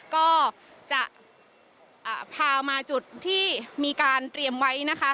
ก็จะพามาจุดที่มีการเตรียมไว้นะคะ